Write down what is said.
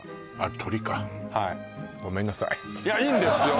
鶏かいやいいんですよ